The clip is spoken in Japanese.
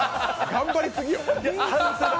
頑張りすぎやん。